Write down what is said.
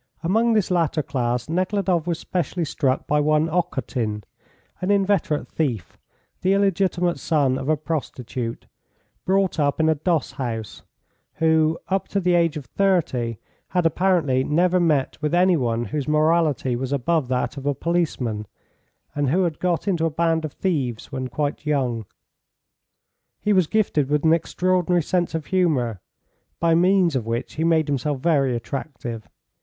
Among this latter class Nekhludoff was specially struck by one Okhotin, an inveterate thief, the illegitimate son of a prostitute, brought up in a doss house, who, up to the age of 30, had apparently never met with any one whose morality was above that of a policeman, and who had got into a band of thieves when quite young. He was gifted with an extraordinary sense of humour, by means of which he made himself very attractive.